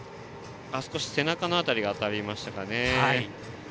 少し背中の辺りが当たりましたね。